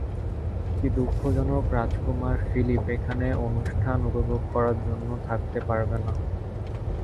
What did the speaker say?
কি দুঃখজনক, রাজকুমার ফিলিপ এখানে অনুষ্ঠান উপভোগ করার জন্য থাকতে পারবেনা।